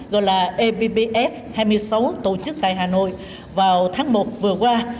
gọi là ebbf hai mươi sáu tổ chức tại hà nội vào tháng một vừa qua